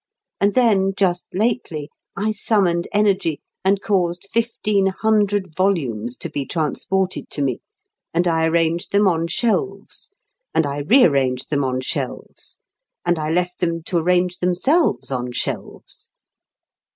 And then, just lately, I summoned energy and caused fifteen hundred volumes to be transported to me; and I arranged them on shelves; and I re arranged them on shelves; and I left them to arrange themselves on shelves.